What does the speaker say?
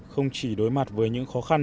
không chỉ đối mặt với những khó khăn